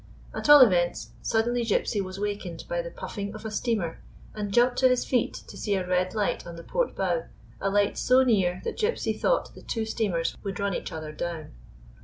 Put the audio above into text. At all events, suddenly Gypsy was wakened by the puffing of a steamer, and jumped to his feet to see a red light on the port bow, a light so near that Gypsy thought the two steamers would run each other down.